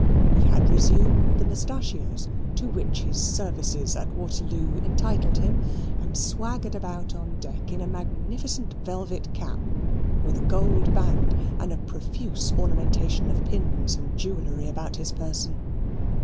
He had resumed the mustachios to which his services at Waterloo entitled him, and swaggered about on deck in a magnificent velvet cap with a gold band and a profuse ornamentation of pins and jewellery about his person.